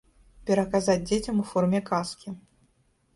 Пераказаць дзецям у форме казкі.